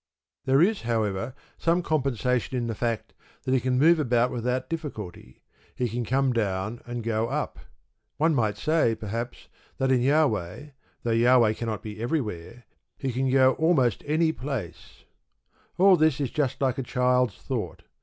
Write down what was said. There is, however, some compensation in the fact that he can move about without difficulty he can come down and go up. One might say, perhaps, that in J., though Jahweh cannot be everywhere, he can go to almost any place. All this is just like a child's thought.